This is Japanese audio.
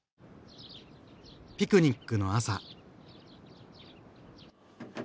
ピクニックの朝。